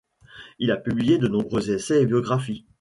Il a publié de nombreux essais et biographies.